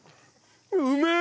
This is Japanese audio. うめえ！